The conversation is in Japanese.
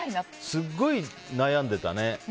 すごい悩んでたね。